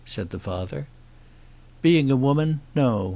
said the father. "Being a woman, no.